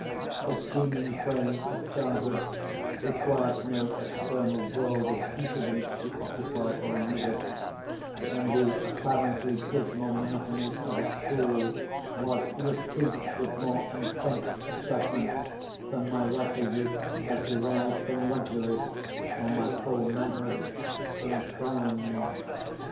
The teeming brain of childhood requires no external world of incident to occupy or amuse it; and the apparently dismal monotony of a school was replete with more intense excitement than my riper youth has derived from luxury, or my full manhood from crime.